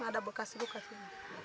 ada bekas bekas ini